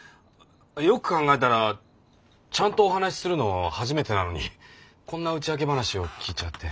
よく考えたらちゃんとお話しするの初めてなのにこんな打ち明け話を聞いちゃって。